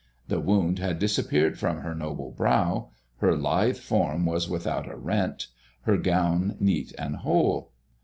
The wound had disappeared from her noble brow; her lithe form was without a rent, her gown neat and whole.